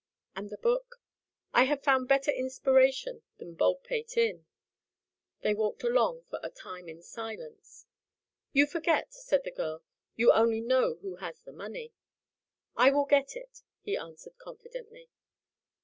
"And the book " "I have found better inspiration than Baldpate Inn." They walked along for a time in silence. "You forget," said the girl, "you only know who has the money." "I will get it," he answered confidently.